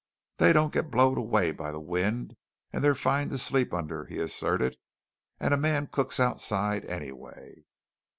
"They don't get blowed away by the wind, and they're fine to sleep under," he asserted, "and a man cooks outside, anyway."